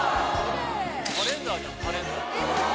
カレンダーじゃんカレンダー。